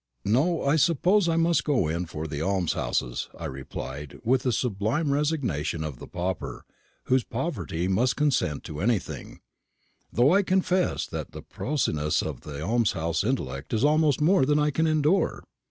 "No; I suppose I must go in for the almshouses," I replied, with the sublime resignation of the pauper, whose poverty must consent to anything; "though I confess that the prosiness of the almshouse intellect is almost more than I can endure."